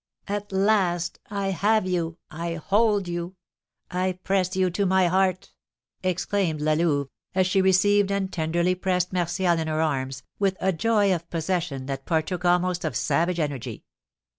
"At last I have you I hold you I press you to my heart!" exclaimed La Louve, as she received and tenderly pressed Martial in her arms, with a joy of possession that partook almost of savage energy.